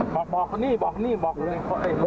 บอกคนนี้บอกนี่บอกเลย